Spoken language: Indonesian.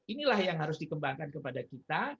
inilah yang harus dikembangkan kepada kita